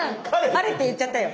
彼って言っちゃったよ。